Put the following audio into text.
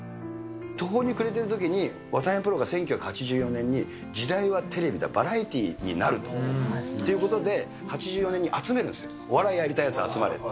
途方に暮れてるときに、渡辺プロが１９８４年に、時代はテレビだ、バラエティーになるということで、８４年に集めるんですよ、お笑いやりたいやつ集まれって。